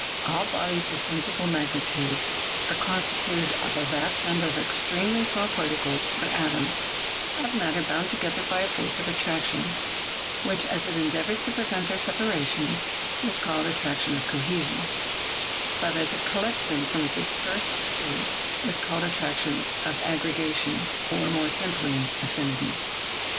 All bodies of sensible magnitude are constituted of a vast number of extremely small particles or atoms of matter bound together by a force of attraction, which, as it endeavors to prevent their separation, is called attrac tion of cohesion ; but as it collects them from a dispersed state is called attraction of aggregation, or, more simply, affinity.